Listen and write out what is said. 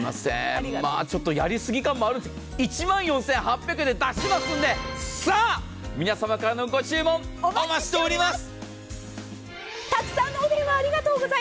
ちょっとやりすぎ感もありますけど、１万４８００円で出しますので、さあ、皆様からのご注文お待ちしております。